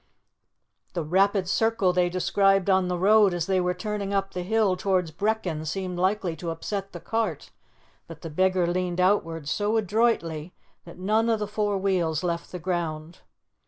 The rapid circle they described on the road as they were turned up the hill towards Brechin seemed likely to upset the cart, but the beggar leaned outwards so adroitly that none of the four wheels left the ground.